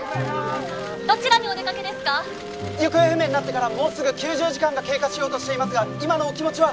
「行方不明になってからもうすぐ９０時間が経過しようとしていますが今のお気持ちは？」